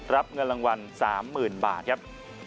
รับเงินรางวัล๓๐๐๐บาทครับ